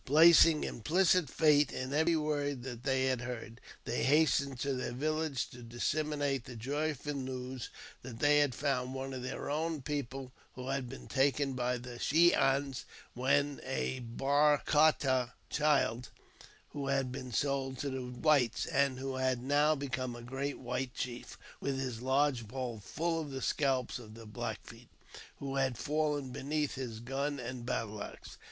Placing implicit faith in every word that they had heard, they hastened to their village to dis seminate the joyful news that they had found one of their own people who had been taken by the Shi ans when a bar car ta (child), who had been sold to the whites, and who had now become a great white chief, with his lodge pole full of the scalps of the Black Feet, who had fallen beneath his gun and battleaxe.